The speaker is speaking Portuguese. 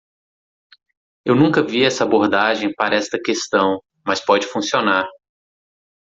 Eu nunca vi essa abordagem para esta questão, mas pode funcionar.